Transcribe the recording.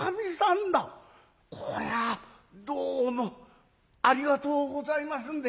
こりゃどうもありがとうございますんで」。